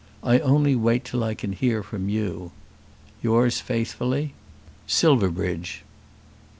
I only wait till I can hear from you. Yours faithfully, SILVERBRIDGE.